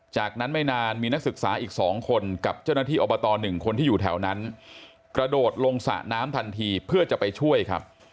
จากนั้นไม่นานมีนักศึกษาอีก๒คนกับเจ้าหน้าที่อบต๑คนที่อยู่แถวนั้นกระโดดลงสระน้ำทันทีเพื่อจะไปช่วยครับ